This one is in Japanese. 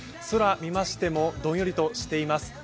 空を見ましても、どんよりとしています。